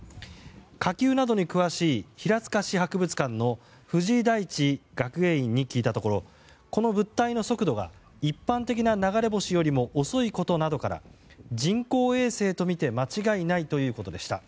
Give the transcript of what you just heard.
火球などに詳しい平塚市博物館の藤井大地学芸員に聞いたところこの物体の速度が一般的な流れ星よりも遅いことなどから人工衛星とみて間違いないということでした。